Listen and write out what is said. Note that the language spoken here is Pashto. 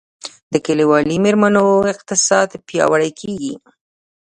د کلیوالي میرمنو اقتصاد پیاوړی کیږي